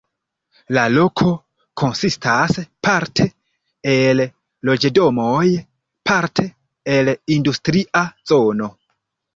La loko konsistas parte el loĝdomoj, parte el industria zono.